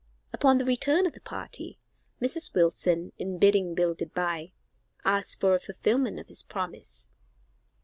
Upon the return of the party, Mrs. Wilson, in bidding Bill good bye, asked for a fulfillment of his promise.